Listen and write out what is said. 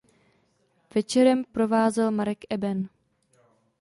Večerem provázel Marek Eben.